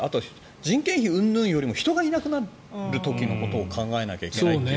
人件費うんぬんよりも人がいなくなる時のことを考えないといけない。